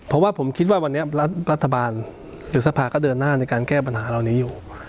เพราะว่าผมคิดว่าวันนี้รัฐบาลหรือสภาก็เดินหน้าในการแก้ปัญหาเหล่านี้อยู่